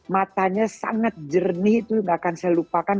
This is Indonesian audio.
matanya sangat jernih itu nggak akan saya lupakan